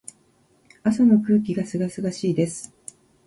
朝の空気が清々しいです。